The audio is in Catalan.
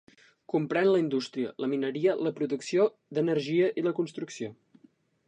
Comprèn la indústria, la mineria, la producció d'energia i la construcció.